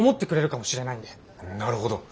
なるほど。